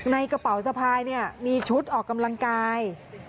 กระเป๋าสะพายมีชุดออกกำลังกาย